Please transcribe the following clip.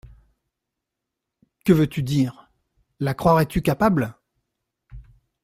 Que veux-tu dire ? la croirais-tu capable ?…